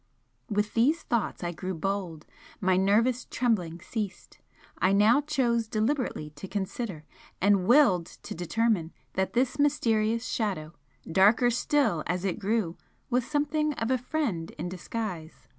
With these thoughts I grew bold my nervous trembling ceased. I now chose deliberately to consider, and WILLED to determine, that this mysterious Shadow, darker still as it grew, was something of a friend in disguise.